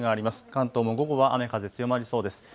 関東も午後は雨、風強まりそうです。